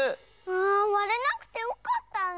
あわれなくてよかったね！